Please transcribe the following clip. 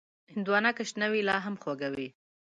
هندوانه که شنه وي، لا هم خوږه وي.